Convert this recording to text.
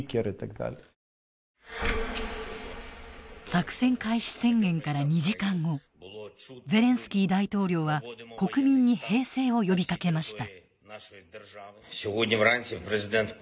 作戦開始宣言から２時間後ゼレンスキー大統領は国民に平静を呼びかけました。